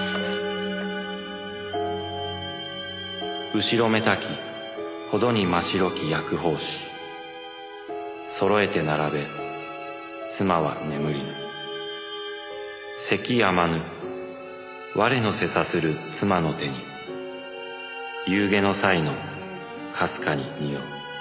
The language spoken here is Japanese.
「うしろめたきほどに真白き薬包紙そろへて並べ妻は眠りぬ」「咳やまぬ我の背さする妻の手に夕餉の菜のかすかににほふ」